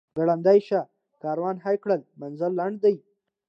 ګړندی شه کاروان هی کړه منزل لنډ دی.